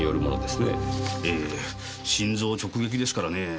ええ心臓直撃ですからねぇ。